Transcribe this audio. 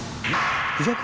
クジャク？